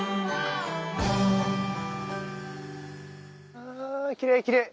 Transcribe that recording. あきれいきれい。